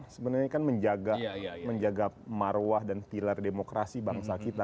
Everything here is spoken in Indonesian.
sebenarnya kan menjaga marwah dan pilar demokrasi bangsa kita